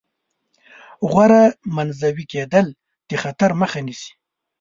غوره منزوي کېدل د خطر مخه نیسي.